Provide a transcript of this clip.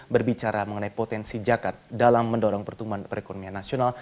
berbicara mengenai potensi jakat dalam mendorong pertumbuhan perekonomian nasional